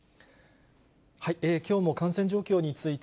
きょうも感染状況について、